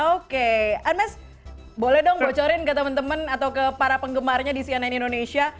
oke anmes boleh dong bocorin ke temen temen atau ke para penggemarnya di cnn indonesia